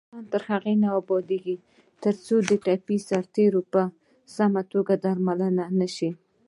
افغانستان تر هغو نه ابادیږي، ترڅو ټپي سرتیري په سمه توګه درملنه نشي.